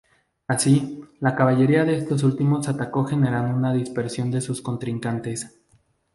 Así, la caballería de estos últimos atacó generando una dispersión de sus contrincantes.